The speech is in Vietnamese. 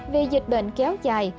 vì dịch bệnh kéo dài